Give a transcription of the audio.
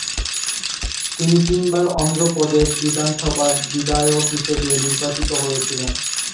তিনি তিনবার অন্ধ্রপ্রদেশ বিধানসভার বিধায়ক হিসেবে নির্বাচিত হয়েছিলেন।